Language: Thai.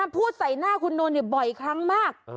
พูดใส่หน้าคุณนนท์บ่อยครั้งมาก